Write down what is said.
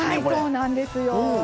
そうなんですよ。